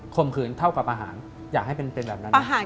มขืนเท่ากับอาหารอยากให้เป็นแบบนั้น